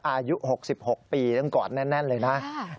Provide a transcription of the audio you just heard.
อายุ๖๖ปีต้องกอดแน่นเลยนะ